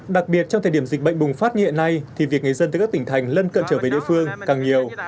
đặc biệt trong thời điểm dịch bệnh bùng phát như hiện nay thì việc người dân từ các tỉnh thành lân cận trở về địa phương càng nhiều